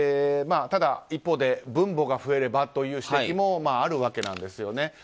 ただ、一方分母が増えればという指摘もあるわけなんですよね。